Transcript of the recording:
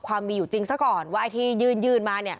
ความมีอยู่จริงซะก่อนว่าไอทียืนยืนมาเนี่ย